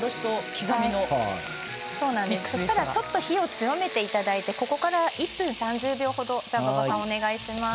ちょっと火を強めていただいてここから１分３０秒程お願いします。